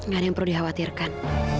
gak ada yang perlu dikhawatirkan